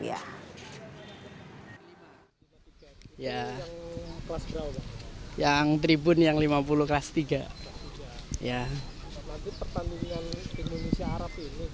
harapan pengekodik ini apa